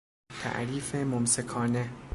تعریف ممسکانه